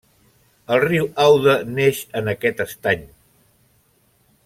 El riu Aude neix en aquest estany.